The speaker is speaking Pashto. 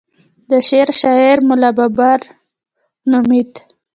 د شعر شاعر ملا بابړ نومېد.